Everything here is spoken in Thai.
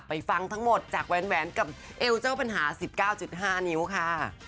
ฟังทั้งหมดจากแหวนกับเอวเจ้าปัญหา๑๙๕นิ้วค่ะ